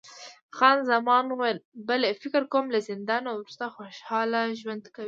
خان زمان وویل، بلی، فکر کوم له زندانه وروسته خوشحاله ژوند کوي.